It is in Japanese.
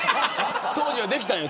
当時はできたんよ